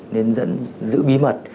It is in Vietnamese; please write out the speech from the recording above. nên giữ bí mật